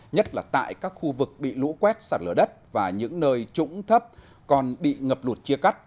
nhất là tại các khu vực bị lũ quét sạt lở đất và những nơi trũng thấp còn bị ngập lụt chia cắt